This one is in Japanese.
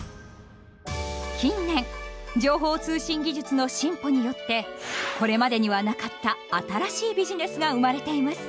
近年情報通信技術の進歩によってこれまでにはなかった新しいビジネスが生まれています。